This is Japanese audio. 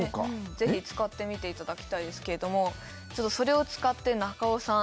ぜひ使ってみていただきたいですけれどもそれを使って中尾さん